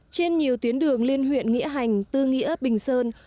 trên nhiều tuyến đường liên huyện nghĩa hành tư nghĩa bình sơn